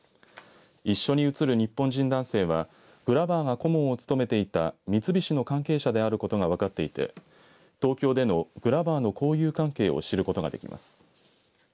一緒に写る日本人男性はグラバーが顧問を務めていた三菱の関係者であることが分かっていて東京でのグラバーの交友関係を知ることができます。